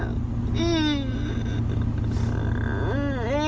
คิดถึงพ่อมาก